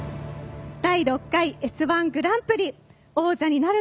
「第６回Ｓ−１グランプリ」王者になるのは。